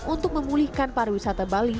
untuk memulihkan pariwisata bali